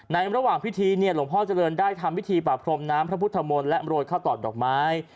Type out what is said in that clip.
ระหว่างพิธีเนี่ยหลวงพ่อเจริญได้ทำพิธีป่าพรมน้ำพระพุทธมนต์และโรยข้าวตอดดอกไม้